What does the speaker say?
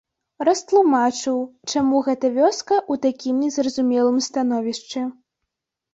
Растлумачыў, чаму гэта вёска ў такім незразумелым становішчы.